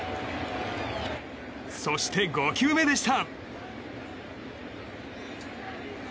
そして、５球目でした。